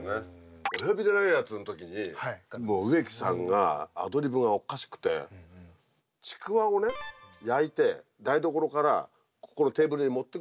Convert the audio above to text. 「オヨビでない奴！」の時に植木さんがアドリブがおかしくてちくわを焼いて台所からここのテーブルに持ってくるシーンがあるんですよ。